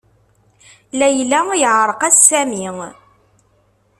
Layla yeɛreq-as Sami.